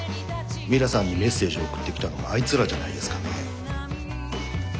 ミラさんにメッセージを送ってきたのもあいつらじゃないですかね？